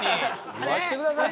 言わせてくださいよ！